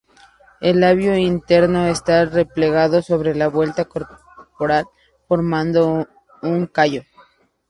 El labio interno está replegado sobre la vuelta corporal formando un callo.